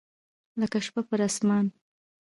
لکه شپه پر اسمان